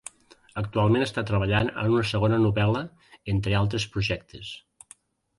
Actualment està treballant en una segona novel·la, entre altres projectes.